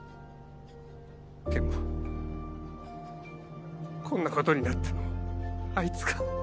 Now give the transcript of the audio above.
でもこんなことになったのもあいつが。